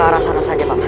terima kasih pak man